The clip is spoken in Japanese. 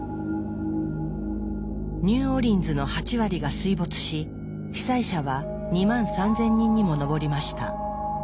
ニューオーリンズの８割が水没し被災者は２万３，０００人にも上りました。